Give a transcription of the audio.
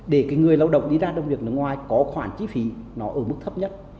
để cái người lao động đi ra làm việc ở ngoài có khoản chi phí nó ở mức thấp nhất